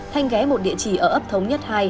thanh ghé một địa chỉ ở ấp thống nhất hai